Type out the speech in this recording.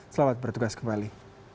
selamat bertugas kembali